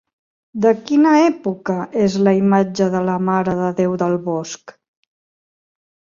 De quina època és la imatge de la Mare de Déu del Bosc?